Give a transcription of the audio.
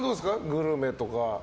グルメとか。